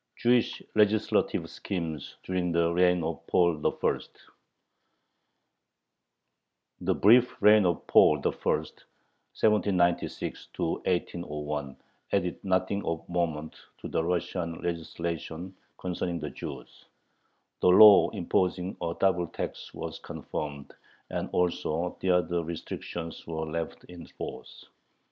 JEWISH LEGISLATIVE SCHEMES DURING THE REIGN OF PAUL I. The brief reign of Paul I. (1796 1801) added nothing of moment to the Russian legislation concerning the Jews. The law imposing a double tax was confirmed, and also the other restrictions were left in force.